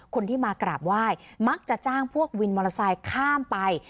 คนที่มากราบไหว้มักจะจ้างพวกวินมอเตอร์ไซค์ข้ามไป